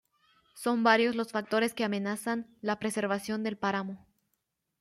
Son varios los factores que amenazan la preservación del páramo.